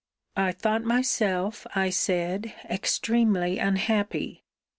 I thought myself, I said, extremely unhappy.